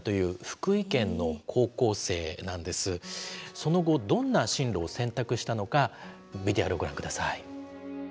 その後どんな進路を選択したのかＶＴＲをご覧下さい。